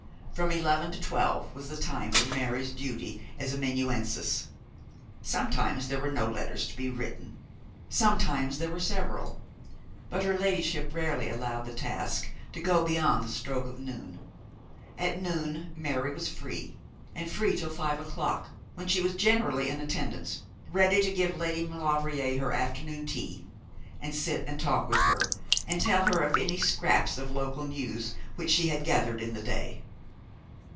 From eleven to twelve was the time for Mary's duty as amanuensis. Sometimes there were no letters to be written. Sometimes there were several; but her ladyship rarely allowed the task to go beyond the stroke of noon. At noon Mary was free, and free till five o'clock, when she was generally in attendance, ready to give Lady Maulevrier her afternoon tea, and sit and talk with her, and tell her any scraps of local news which she had gathered in the day.